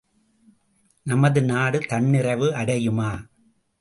நமது நாடு தன்னிறைவு அடையுமா?